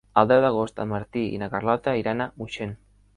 El deu d'agost en Martí i na Carlota iran a Moixent.